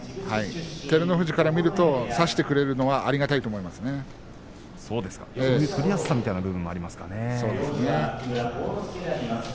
照ノ富士から見ると差してくれるのは相撲の取りやすさみたいなものもあるんですね。